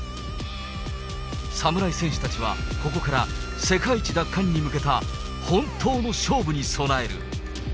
侍選手たちはここから世界一奪還に向けた本当の勝負に備える。